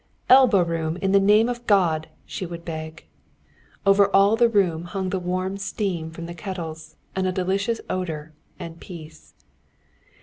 "Elbow room, in the name of God," she would beg. Over all the room hung the warm steam from the kettles, and a delicious odor, and peace.